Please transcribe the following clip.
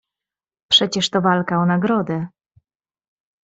"Przecież to walka o nagrodę."